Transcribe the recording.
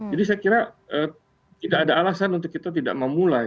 jadi saya kira tidak ada alasan untuk kita tidak memulai